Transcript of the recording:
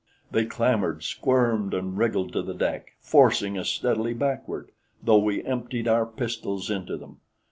They clambered, squirmed and wriggled to the deck, forcing us steadily backward, though we emptied our pistols into them.